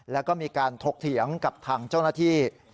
แล้วก็มีการถกเถียงกับทางเจ้าหน้าที่